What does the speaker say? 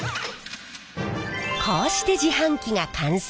こうして自販機が完成。